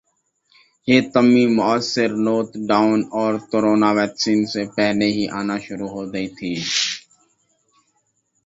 یہ کمی موثر لوک ڈاون اور کورونا ویکسین سے پہلے ہی آنی شروع ہو گئی تھی